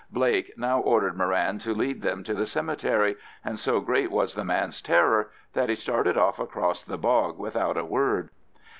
Blake now ordered Moran to lead them to the cemetery, and so great was the man's terror that he started off across the bog without a word.